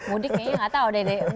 mudik kayaknya gak tau deh